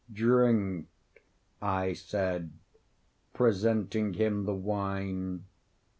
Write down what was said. "Drink," I said, presenting him the wine.